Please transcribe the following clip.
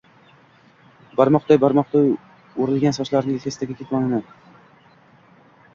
barmoqday-barmoqday oʼrilgan sochini, yelkasidagi ketmonini